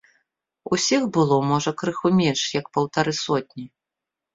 Усіх было, можа, крыху менш як паўтары сотні.